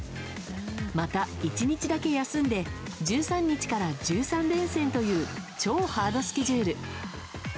また１日だけ休んで１３日から１３連戦という超ハードスケジュール。